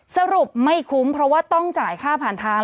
สรุปไม่คุ้มเพราะว่าต้องจ่ายค่าผ่านทาง